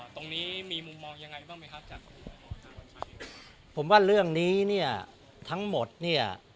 ตรงนี้มีมุมมองยังไงบ้างไหมครับจากผมว่าเรื่องนี้เนี่ยทั้งหมดเนี่ย